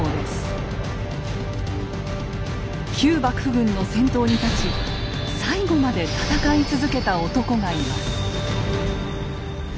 旧幕府軍の先頭に立ち最後まで戦い続けた男がいます。